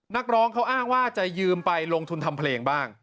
นักร้องเขาอ้างว่าจะยืมไปลงทุนทำเพลงบ้าง